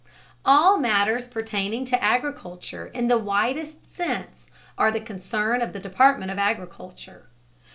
All matters pertaining to agriculture in the widest sense are the concern of the Department of Agriculture.